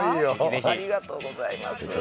ありがとうございます！